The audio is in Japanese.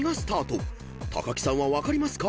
［木さんは分かりますか？